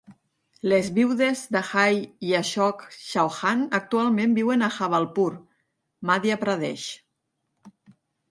Les viudes d'Ajay i Ashok Chauhan actualment viuen a Jabalpur (Madhya Pradesh).